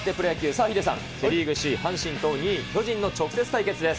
さあ、ヒデさん、セ・リーグ首位阪神と２位巨人の直接対決です。